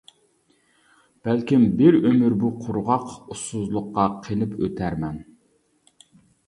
بەلكىم بىر ئۆمۈر بۇ قۇرغاق ئۇسسۇزلۇققا قېنىپ ئۆتەرمەن.